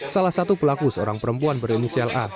salah satu pelaku seorang perempuan berinisial a